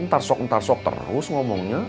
ntar sok ntar sok terus ngomongnya